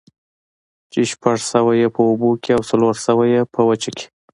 چې شپږ سوه ئې په اوبو كي او څلور سوه ئې په وچه كي